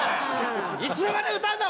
いつまで歌うんだ？